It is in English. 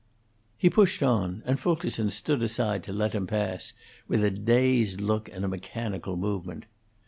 He pushed on, and Fulkerson stood aside to let him pass, with a dazed look and a mechanical movement.